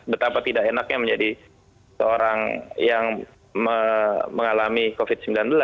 betapa tidak enaknya menjadi seorang yang mengalami covid sembilan belas